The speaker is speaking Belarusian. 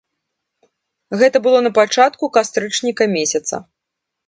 Гэта было на пачатку кастрычніка месяца.